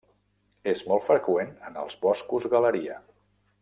És molt freqüent en els boscos galeria.